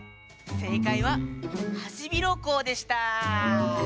せいかいはハシビロコウでした。